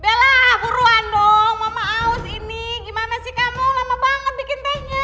bela buruan dong mama aus ini gimana sih kamu lama banget bikin tehnya